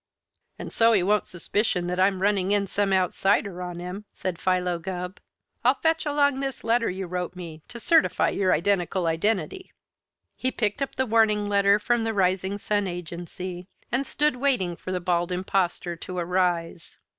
"And, so he won't suspicion that I'm running in some outsider on him," said Philo Gubb, "I'll fetch along this letter you wrote me, to certify your identical identity." He picked up the warning letter from the Rising Sun Agency, and stood waiting for the Bald Impostor to arise.